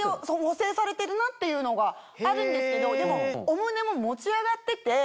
補整されてるなっていうのがあるんですけどでもお胸も持ち上がってて。